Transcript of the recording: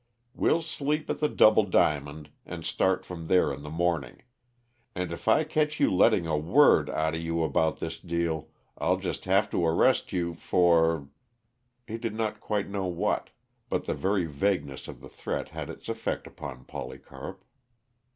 We'll sleep at the Double Diamond, and start from there in the morning. And if I catch you letting a word outa you about this deal, I'll just about have to arrest you for " He did not quite know what, but the very vagueness of the threat had its effect upon Polycarp.